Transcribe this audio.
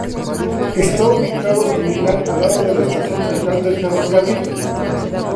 Está ubicado en Milán a lado de la estación Central del ferrocarril.